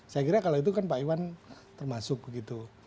saya kira kalau itu kan pak iwan termasuk begitu